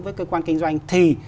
với cơ quan kinh doanh thì